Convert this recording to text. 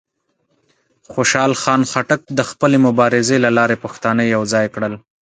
خوشحال خان خټک د خپلې مبارزې له لارې پښتانه یوځای کړل.